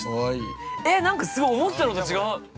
え、なんかすごい、思ってたのと違う。